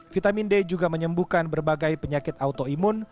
vitamin d juga menyembuhkan berbagai penyakit autoimun